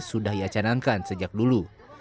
sudah diacanankan sejak dulu